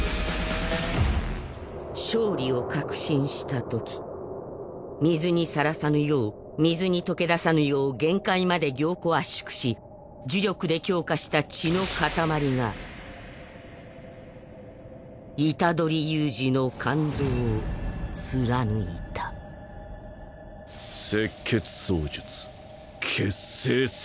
勝利を確信したとき水にさらさぬよう水に溶け出さぬよう限界まで凝固圧縮し呪力で強化した血の塊が虎杖悠仁の肝臓を貫いたあっ。